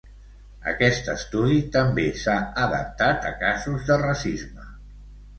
Aquest estudi també s'ha adaptat a casos de racisme.